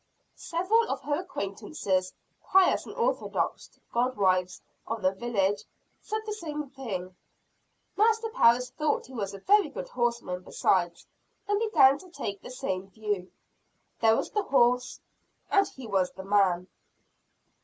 Several of her acquaintances, pious and orthodox goodwives of the village, said the same thing. Master Parris thought he was a very good horseman besides; and began to take the same view. There was the horse, and he was the man!